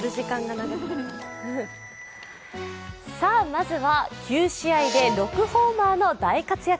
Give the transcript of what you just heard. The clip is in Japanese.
まずは９試合で６ホーマーの大活躍。